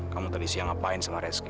kamu tadi siang ngapain sama reski